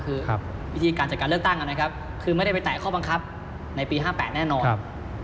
คือวิธีการจัดการเลือกตั้งนะครับคือไม่ได้ไปแตะข้อบังคับในปี๕๘แน่นอนครับ